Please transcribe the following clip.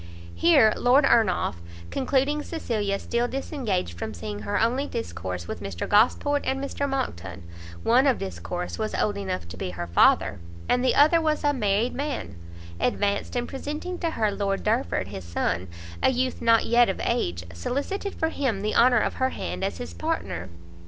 Here Lord Ernolf, concluding Cecilia still disengaged from seeing her only discourse with Mr Gosport and Mr Monckton, one of them was old enough to be her father, and the other was a married man, advanced, and presenting to her Lord Derford, his son, a youth not yet of age, solicited for him the honour of her hand as his partner.